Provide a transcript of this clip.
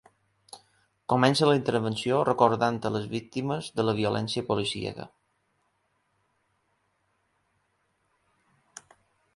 Comença la intervenció recordant a les víctimes de la violència policíaca.